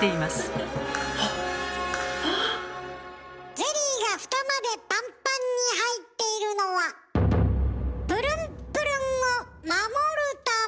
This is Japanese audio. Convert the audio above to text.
ゼリーがフタまでパンパンに入っているのはプルンプルンを守るため。